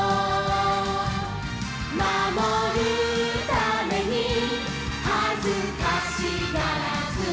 「まもるためにはずかしがらず」